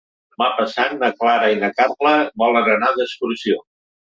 Demà passat na Clara i na Carla volen anar d'excursió.